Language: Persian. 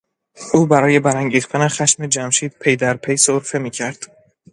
او برای برانگیختن خشم جمشید پیدرپی سرفه میکرد.